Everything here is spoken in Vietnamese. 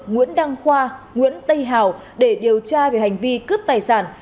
nguyễn đăng khoa nguyễn tây hào để điều tra về hành vi cướp tài sản